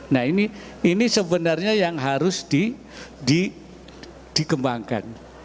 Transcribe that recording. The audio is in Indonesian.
nah ini sebenarnya yang harus dikembangkan